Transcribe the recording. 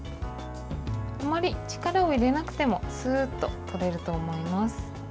あまり力を入れなくてもスーッと取れると思います。